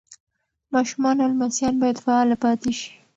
ماشومان او لمسیان باید فعاله پاتې شي.